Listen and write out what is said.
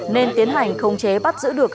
nên tiến hành không chế bắt giữ đường